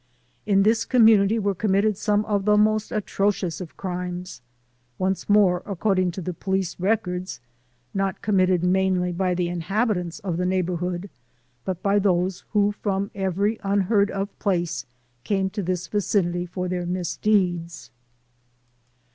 In this community were committed some of the most atrocious of crimes ; once more, according to police records, not committed mainly by the inhabitants of the neighborhood, but by those who from every unheard of place came to this vicinity for their misdeeds.